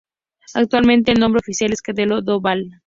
Actualmente el nombre oficial es Castrelo do Val.